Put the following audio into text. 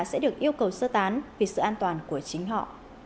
sẽ được yêu cầu sơ tán vì sự an toàn của chính họ